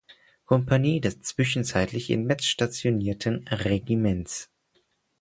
Kompanie des zwischenzeitlich in Metz stationierten Regiments.